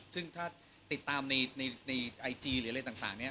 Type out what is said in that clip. ซึ่งถ้าติดตามในไอจีหรืออะไรต่างเนี่ย